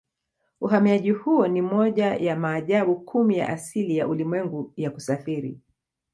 Uhamiaji huo ni moja ya maajabu kumi ya asili ya ulimwengu ya kusafiri.